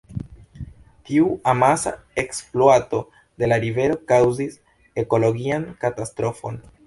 Tiu amasa ekspluato de la rivero kaŭzis ekologian katastrofon.